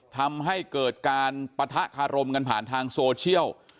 ทำให้เกิดการปะทะคารมกันผ่านทางโซเชียล